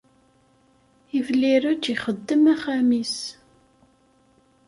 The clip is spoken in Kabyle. Ibellireǧ ixeddem axxam-is.